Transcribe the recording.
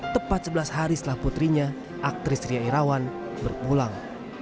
tepat sebelas hari setelah putrinya aktris ria irawan berpulang